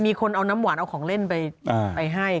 มีคนเอาน้ำหวานเอาของเล่นไปให้